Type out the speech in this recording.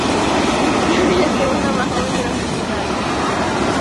John es el segundo más joven de los niños Darling.